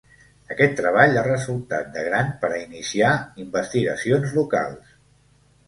Aquest treball ha resultat de gran per a iniciar investigacions locals.